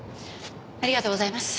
ありがとうございます。